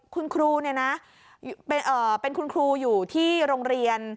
คุณครูเป็นคุณครูอยู่ที่โรงเรียน